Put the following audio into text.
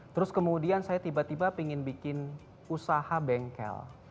terus kemudian saya tiba tiba ingin bikin usaha bengkel